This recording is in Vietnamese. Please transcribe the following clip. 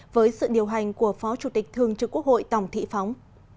với sự điều hành của phó chủ tịch thương trực quốc hội tổng thị phóng